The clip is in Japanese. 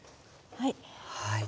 はい。